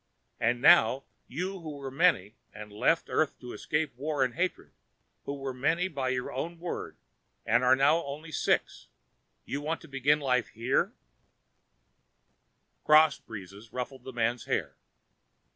And now you who were many and left Earth to escape war and hatred, who were many by your own word and are now only six, you want to begin life here?" Cross breezes ruffled the men's hair.